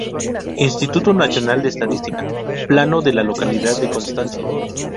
Instituto Nacional de Estadística: "Plano de la localidad de Constancia"